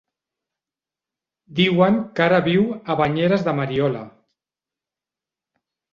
Diuen que ara viu a Banyeres de Mariola.